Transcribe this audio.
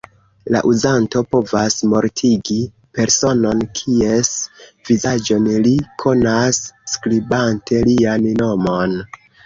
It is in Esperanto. La uzanto povas mortigi personon, kies vizaĝon li konas, skribante lian nomon.